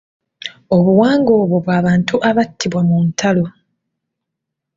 Obuwanga obwo bw'abantu abattibwa mu lutalo.